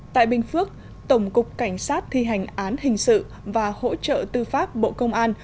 tại bình phước tổng cục cảnh sát thi hành án hình sự và hỗ trợ tư pháp bộ công an